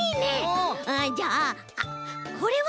うんじゃああっこれは？